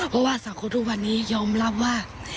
เพราะว่าสังคมทุกวันนี้ยอมรับว่า